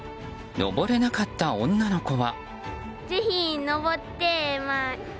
登れなかった女の子は。